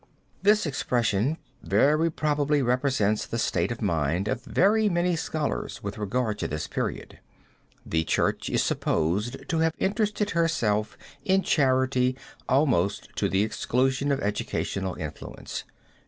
This expression very probably represents the state of mind of very many scholars with regard to this period. The Church is supposed to have interested herself in charity almost to the exclusion of educational influence.